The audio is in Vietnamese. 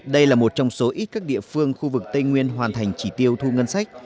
đây là một trong số ít các địa phương khu vực tây nguyên hoàn thành chỉ tiêu thu ngân sách